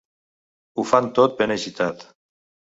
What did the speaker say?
Ho fan tot ben agitat.